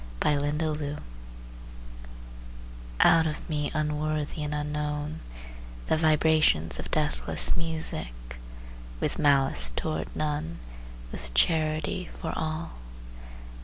Anne Rutledge Out of me unworthy and unknown The vibrations of deathless music; "With malice toward none, with charity for all."